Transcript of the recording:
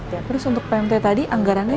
terus untuk pmt tadi anggarannya